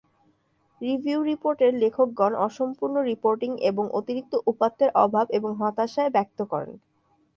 Review report এর লেখকগণ অসম্পূর্ণ রিপোর্টিং এবং অতিরিক্ত উপাত্তের অভাব এবং হতাশা ব্যক্ত করেন।